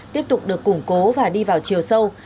tiếp tục được củng cố và đi vào chiều sâu